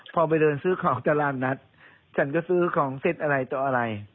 พอไปเดินซื้อของตลาดนัดฉันก็ซื้อของเสร็จอะไรต่ออะไร